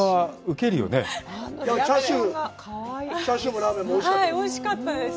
チャーシュー、ラーメンもおいしかったの？